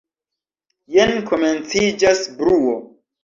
Jen komenciĝas bruo.